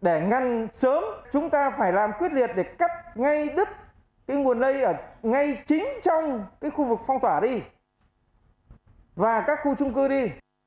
để ngăn sớm chúng ta phải làm quyết liệt để cắt ngay đứt cái nguồn lây ở ngay chính trong cái khu vực phong tỏa đi và các khu trung cư đi